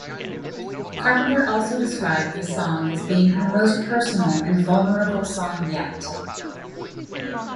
Carpenter also described the song as being her most personal and vulnerable song yet.